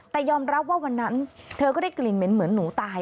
แต่ยอมรับว่าวันนั้นเธอก็ได้กลิ่นเหม็นเหมือนหนูตาย